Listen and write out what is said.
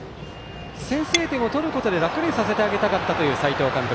先制点を取ることで楽にさせてあげたかったという斎藤監督。